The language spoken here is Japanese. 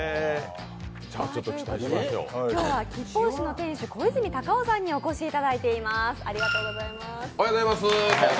今日は吉法師の店主、小泉貴央さんにお越しいただいています。